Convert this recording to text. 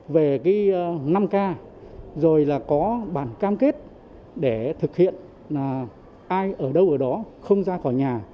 về cái năm k rồi là có bản cam kết để thực hiện là ai ở đâu ở đó không ra khỏi nhà